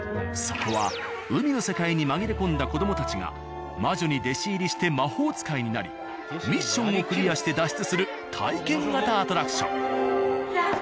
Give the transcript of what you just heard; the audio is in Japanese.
そこは海の世界に紛れ込んだ子どもたちが魔女に弟子入りして魔法使いになりミッションをクリアして脱出する体験型アトラクション。